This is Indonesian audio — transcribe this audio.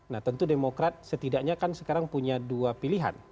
nah tentu demokrat setidaknya kan sekarang punya dua pilihan